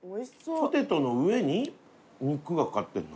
ポテトの上に肉が掛かってんの？